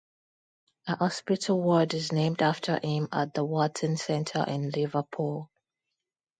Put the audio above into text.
A hospital ward is named after him at the Walton Centre in Liverpool.